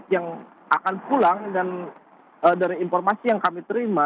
yang akan pulang dan dari informasi yang kami terima